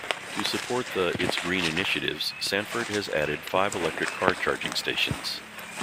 To support the its green initiatives, Sanford has added five electric car charging stations.